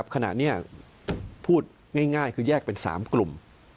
ขณะนี้พูดง่ายคือแยกเป็น๓กลุ่ม